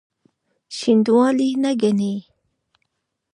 شنډوالي نه ګڼي.